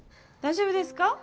大丈夫ですか？